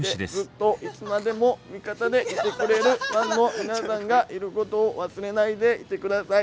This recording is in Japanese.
味方でいてくれるファンの皆さんがいることを忘れないでいて下さい。